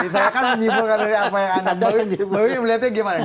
saya kan menyibukkan apa yang anda bilang